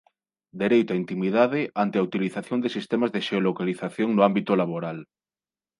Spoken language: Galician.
Dereito á intimidade ante a utilización de sistemas de xeolocalización no ámbito laboral.